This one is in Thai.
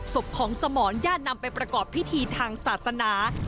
ศพของสมรญาตินำไปประกอบพิธีทางศาสนา